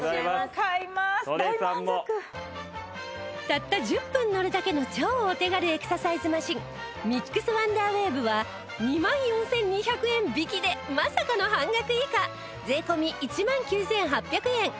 たった１０分乗るだけの超お手軽エクササイズマシンミックスワンダーウェーブは２万４２００円引きでまさかの半額以下税込１万９８００円